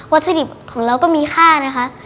ถุดิบของเราก็มีค่านะคะ